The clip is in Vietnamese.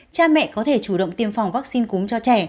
cha mẹ có thể chủ động tiêm phòng vaccine cúm cho trẻ